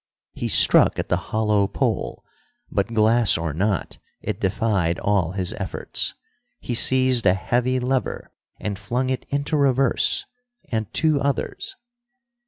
He struck at the hollow pole, but, glass or not, it defied all his efforts. He seized a heavy lever and flung it into reverse and two others.